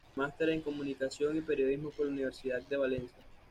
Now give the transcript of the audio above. Máster en Comunicación y Periodismo por la Universidad de Valencia.